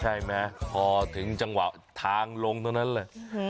ใช่ไหมพอถึงจังหวะทางลงตรงนั้นเลย